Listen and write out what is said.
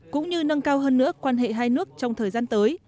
cũng như nâng cao hơn nữa quan hệ hai nước trong thời gian tới